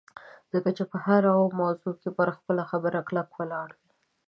ځکه چې په هره موضوع کې پر خپله خبره کلک ولاړ وي